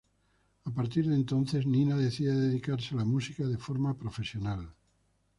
A partir de entonces, Nina, decide dedicarse a la música de forma profesional.